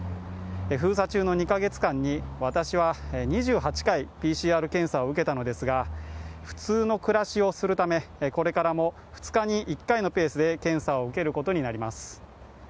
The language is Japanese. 封鎖中の２カ月間に私は２８回ＰＣＲ検査を受けたのですが普通の暮らしをするためこれからも２日に１回のペースで検査を受けることになります。